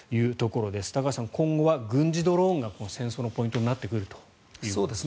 高橋さん、今後は軍事ドローンが戦争のポイントになってくるということです。